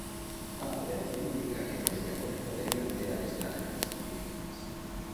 A federación indica que desde agora poderían ter adestramentos individuais.